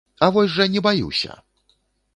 А вось жа не баюся!